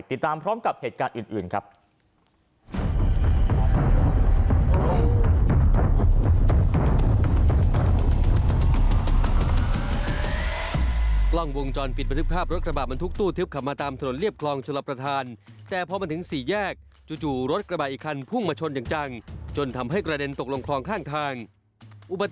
ติดตามพร้อมกับเหตุการณ์อื่นครับ